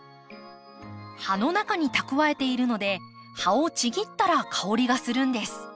葉の中に蓄えているので葉をちぎったら香りがするんです。